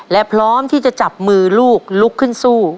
และพร้อมที่จะจับมือลูกลุกขึ้นสู้